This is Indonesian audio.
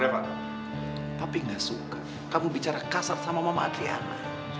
reva papi gak suka kamu bicara kasar sama mama adriana